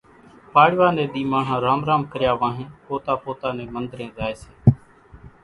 پاڙوا ني ۮي ماڻۿان رام رام ڪريا وانھين پوتا پوتا نين منۮرين زائي سي،